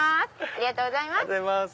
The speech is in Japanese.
ありがとうございます。